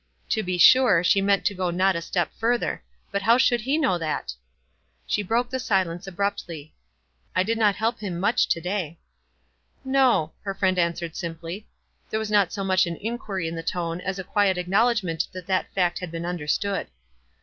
To be sure, she meant to go not a step further ; but how should he know that ? She broke the silence abruptly. "I did not help him much to day." "No," her friend answered, simply. There was not so much an inquiry in the tone as a quiet acknowledgment that that fact had beeu understood.